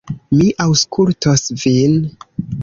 Mi aŭskultos vin.